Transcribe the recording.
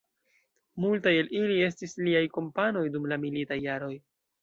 Multaj el ili estis liaj kompanoj dum la militaj jaroj.